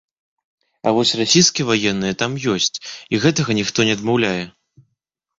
А вось расійскія ваенныя там ёсць і гэтага ніхто не адмаўляе.